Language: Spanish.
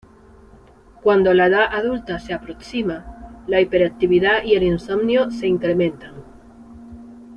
Cuando la edad adulta se aproxima, la hiperactividad y el insomnio se incrementan.